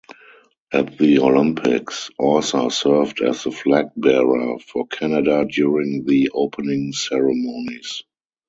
At the Olympics, Orser served as the flag-bearer for Canada during the opening ceremonies.